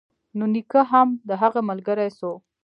نو نيکه هم د هغه ملگرى سو.